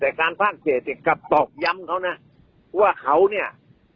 แต่การภาคเกตก็ตอบย้ำเขานะว่าเขาเนี่ย